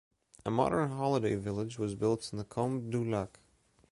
A modern holiday village was built in the Combe du Lac.